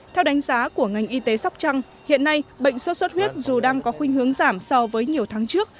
theo đánh giá của ngành y tế sóc trăng hiện nay bệnh sốt xuất huyết dù đang có khuyên hướng giảm so với nhiều tháng trước